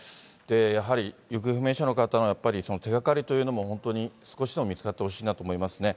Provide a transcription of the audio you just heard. やはり、行方不明者の方の、やっぱり手がかりというのも、本当に少しでも見つかってほしいなと思いますね。